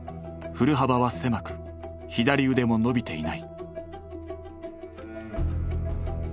振る幅は狭く左腕も伸びていない。